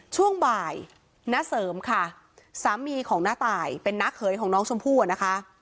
ช่วงบ่ายน้าเสริมค่ะสามีของน้าตายเป็นน้าเขยของน้องชมพู่อะนะคะ